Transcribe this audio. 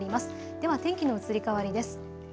では天気の移り変わりです。